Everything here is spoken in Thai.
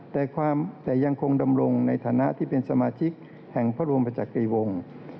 แต่ยังคงดำรงในฐานะที่เป็นสมาชิกแห่งพระบรมประจักรีวงศ์